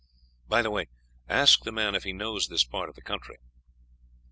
By the way, ask the man if he knows this part of the country."